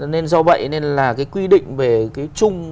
nên do vậy nên là cái quy định về cái chung